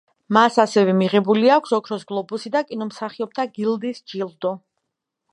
მას ასევე მიღებული აქვს ოქროს გლობუსი და კინომსახიობთა გილდიის ჯილდო.